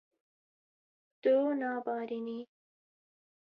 Tu nabarînî.